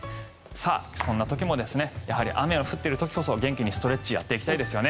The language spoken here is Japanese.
そんな時もやはり雨が降っている時こそ元気にストレッチをやっていきたいですよね。